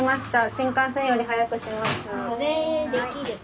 新幹線より速くします。